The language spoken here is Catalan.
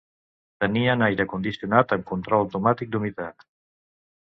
Tenien aire condicionat amb control automàtic d'humitat.